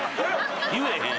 言えへん。